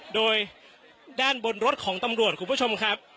โดยด้านบนรถของตำรวจคุณผู้ชมครับ